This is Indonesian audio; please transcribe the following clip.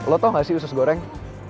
lo tau gak sih usus goreng